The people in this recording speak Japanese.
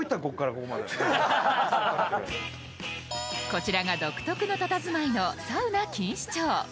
こちらが独特のたたずまいのサウナ錦糸町。